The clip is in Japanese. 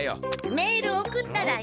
メール送っただよ。